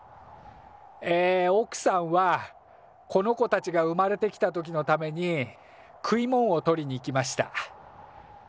えおくさんはこの子たちが生まれてきた時のために食い物を取りに行きました。